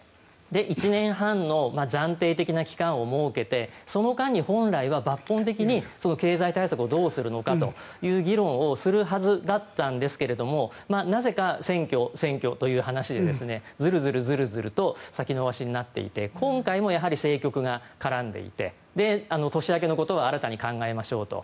１年半の暫定的な期間を設けてその間に本来は抜本的に経済対策をどうするのかという議論をするはずだったんですがなぜか選挙、選挙という話でずるずると先延ばしになっていて今回も政局が絡んでいて年明けのことは新たに考えましょうと。